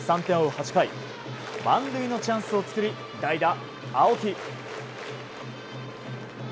８回満塁のチャンスを作り代打、青木。